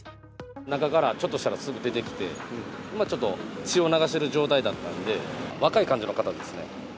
中からちょっとしたらすぐ出てきて、ちょっと血を流している状態だったんで、若い感じの方ですね。